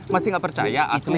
masih nggak percaya asli